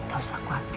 nggak usah khawatir